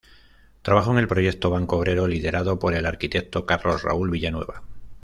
Trabajó en el proyecto Banco Obrero liderado por el arquitecto Carlos Raúl Villanueva.